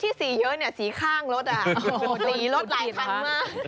ที่สีเยอะเนี่ยสีข้างรถอ่ะสีรถหลายครั้งมาก